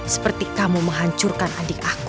seperti kamu menghancurkan adik aku